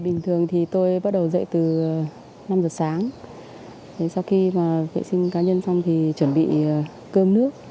bình thường thì tôi bắt đầu dạy từ năm giờ sáng sau khi mà vệ sinh cá nhân xong thì chuẩn bị cơm nước